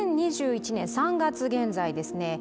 ２０２１年３月現在ですね